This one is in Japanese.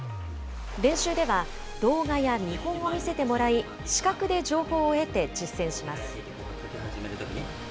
練習では、動画や見本を見せてもらい、視覚で情報を得て実践します。